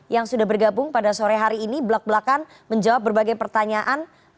yang sudah bergabung pada sore hari ini belak belakan menjawab berbagai pertanyaan